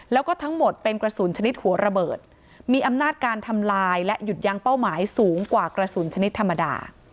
แล้วก็ทั้งหมดเป็นกระสุนชนิดหัวระเบิดมีอำนาจการทำลายและหยุดยั้งเป้าหมายสูงกว่ากระสุนชนิดธรรมดา